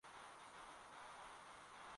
ambao umeonekana huko ndio ma